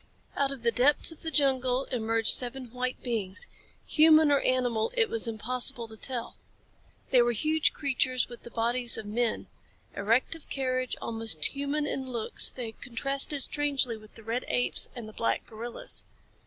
Out of the depths of the jungle emerged seven white beings human or animal it was impossible to tell. They were huge creatures with the bodies of men. Erect of carriage, almost human in looks, they contrasted strangely with the red apes and the black gorillas.